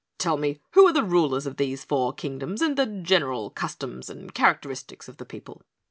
"Tell me who are the rulers of these four Kingdoms and the general customs and characteristics of the people."